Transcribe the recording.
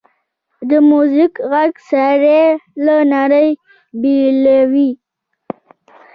د میوزیک ږغ سړی له نړۍ بېلوي.